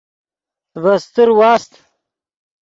ڤے استر واست۔